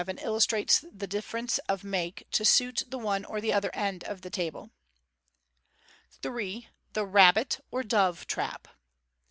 267 illustrates this difference of make, to suit the one or the other end of the table. 3. The ''Rahbit" or "Dove*'' Trap.